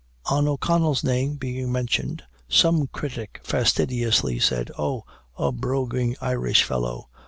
On O'Connell's name being mentioned, some critic fastidiously said, "Oh, a broguing Irish fellow!